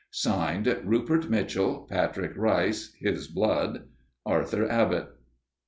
(Signed) RUPERT MITCHELL, PATRICK RICE (his blood), ARTHUR ABBOTT.